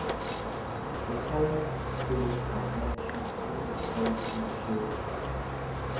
The town and school are mentioned numerous times in the show.